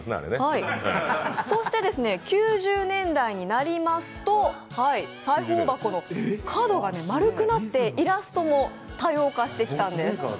そして９０年代になりますと裁縫箱の角が丸くなってイラストも多様化してきたんです。